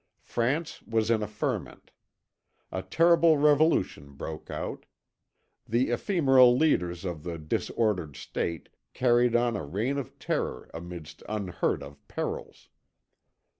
France was in a ferment; a terrible revolution broke out. The ephemeral leaders of the disordered State carried on a Reign of Terror amidst unheard of perils.